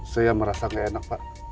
saya merasa nggak enak pak